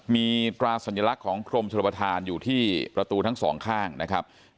มีตราสัญลักษณ์ของกรมชนประธานอยู่ที่ประตูทั้งสองข้างนะครับ